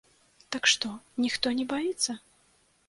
Так што, ніхто не баіцца!